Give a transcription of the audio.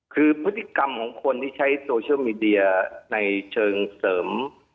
คือพฤติกรรมของคนที่ใช้โซเชียลมีเดียในเชิงเสริม